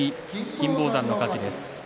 金峰山の勝ちです。